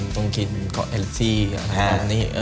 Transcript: สองเต้